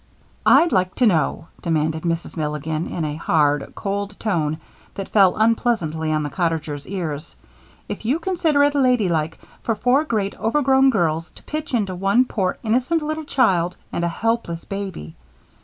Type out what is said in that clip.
"I'd like to know," demanded Mrs. Milligan, in a hard, cold tone that fell unpleasantly on the cottagers' ears, "if you consider it ladylike for four great overgrown girls to pitch into one poor innocent little child and a helpless baby?